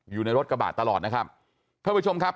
อยู่ในรถกระบะตลอดนะครับท่านผู้ชมครับ